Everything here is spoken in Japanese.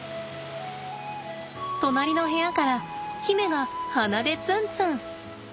隣の部屋から媛が鼻でツンツン。